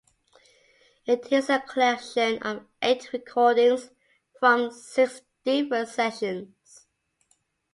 It is a collection of eight recordings from six different sessions.